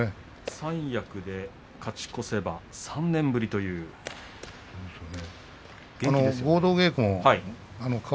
三役で勝ち越せば３年ぶりですね。